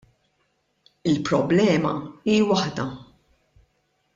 Il-problema hi waħda.